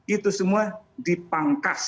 itu semua dipangkas